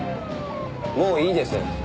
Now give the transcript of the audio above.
もういいです。